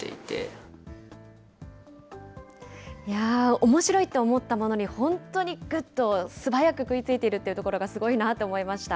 おもしろいって思ったものに、本当にぐっと、素早く食いついているのがすごいなと思いました。